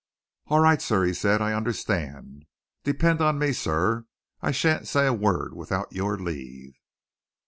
"All right, sir," he said. "I understand. Depend on me, sir I shan't say a word without your leave."